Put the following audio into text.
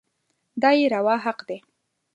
دا يې روا حق دی.